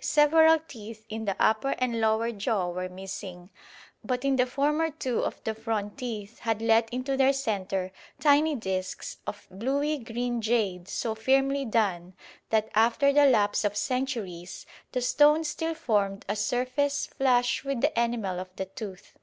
Several teeth in the upper and lower jaw were missing, but in the former two of the front teeth had let into their centre tiny discs of bluey green jade so firmly done that, after the lapse of centuries, the stone still formed a surface flush with the enamel of the tooth.